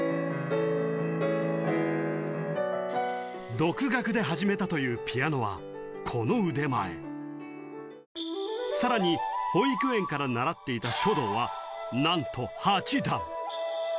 独学で始めたというピアノはこの腕前さらに保育園から習っていた書道はなんと８段